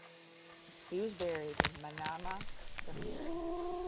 He was buried in Manama Cemetery.